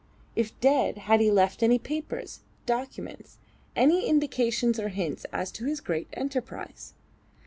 If dead, had he left any papers, documents; any indications or hints as to his great enterprise?